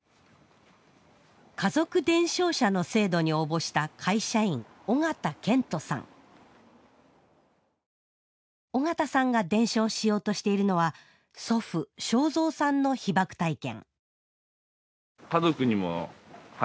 家族伝承者の制度に応募した会社員尾形さんが伝承しようとしているのは祖父・昭三さんの被爆体験